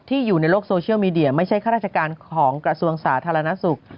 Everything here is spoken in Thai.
อยู่ในโลกโซเชียลมีเดียไม่ใช่ข้าราชการของกระทรวงสาธารณสุข